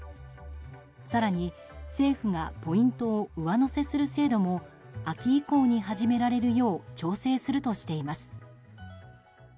更に、政府がポイントを上乗せする制度も秋以降に始められるよう調整するとしています。